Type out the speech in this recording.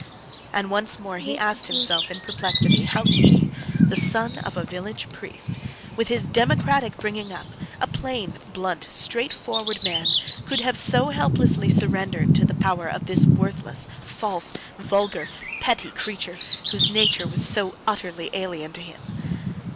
And once more he asked himself in perplexity how he, the son of a village priest, with his democratic bringing up a plain, blunt, straightforward man could have so helplessly surrendered to the power of this worthless, false, vulgar, petty creature, whose nature was so utterly alien to him.